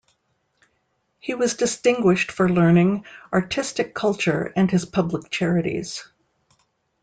He was distinguished for learning, artistic culture and his public charities.